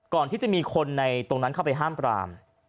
ก่อนที่จะมีคนในตรงนั้นเข้าไปห้ามปราม